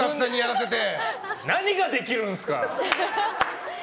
何ができるんですか！